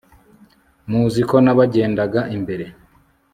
muzi ko nabagendaga imbere